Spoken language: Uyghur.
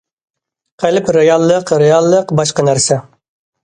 قەلب رېئاللىق، رېئاللىق باشقا نەرسە.